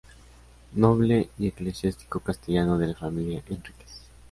Noble y eclesiástico castellano de la familia Enríquez.